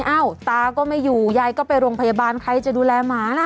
ว่าหลังจากนี้ตาก็ไม่อยู่ยายก็ไปโรงพยาบาลใครจะดูแลหมานะ